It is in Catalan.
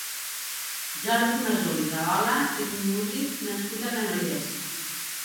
Jordi Masó i Rahola és un músic nascut a Granollers.